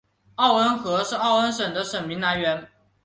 奥恩河是奥恩省的省名来源。